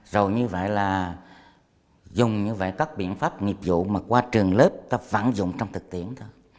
rồi như vậy là dùng như vậy các biện pháp nghiệp vụ mà qua trường lớp ta vận dụng trong thực tiễn thôi